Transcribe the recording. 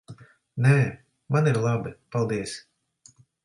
Nē, man ir labi. Paldies.